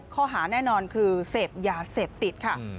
ข้อหาแน่นอนคือเสพยาเสพติดค่ะ